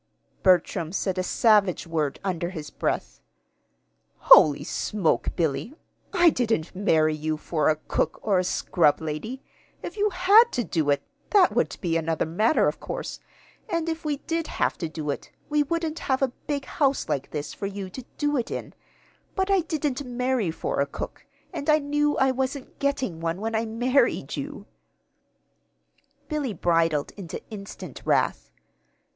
Bertram said a savage word under his breath. "Holy smoke, Billy! I didn't marry you for a cook or a scrub lady. If you had to do it, that would be another matter, of course; and if we did have to do it, we wouldn't have a big house like this for you to do it in. But I didn't marry for a cook, and I knew I wasn't getting one when I married you." Billy bridled into instant wrath.